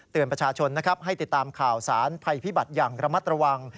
ประชาชนนะครับให้ติดตามข่าวสารภัยพิบัติอย่างระมัดระวัง